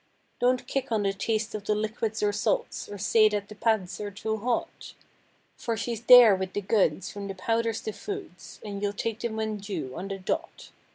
Don't kick on the taste of the liquids or salts Or say that the pads are too hot. For she's there with the goods from the powders to foods And you'll take them when due, on the dot.